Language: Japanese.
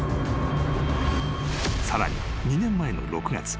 ［さらに２年前の６月］